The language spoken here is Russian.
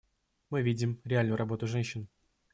Мы видим реальную работу женщин.